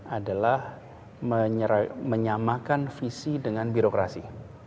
adalah menyamakan visi dengan birokrasi